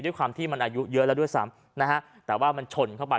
ด้วยความที่มันอายุเยอะแล้วด้วยซ้ำนะฮะแต่ว่ามันชนเข้าไป